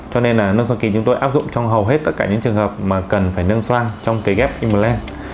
cho nên là nâng xoang kín chúng tôi áp dụng trong hầu hết tất cả những trường hợp mà cần phải nâng xoang trong cái ghép im lên